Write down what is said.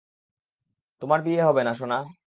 তোমার বিয়ে হবে, সোনা।